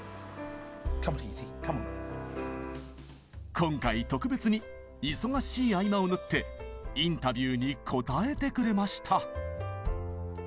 今回特別に忙しい合間を縫ってインタビューに答えてくれました。